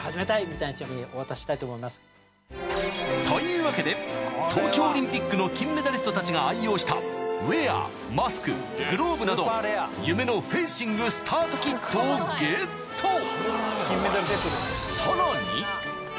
［というわけで東京オリンピックの金メダリストたちが愛用したウエアマスクグローブなど夢のフェンシングスタートキットをゲット］